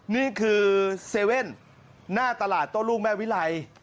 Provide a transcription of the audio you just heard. นี่คือเซเว่นหน้าตลาดโต้ลูกแม่วิไล